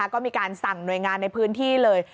ก็มีการสั่งหน่วยงานในพื้นที่เลย